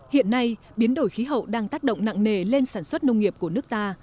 hiện nay biến đổi khí hậu đang tác động nặng nề lên sản xuất nông nghiệp của nước ta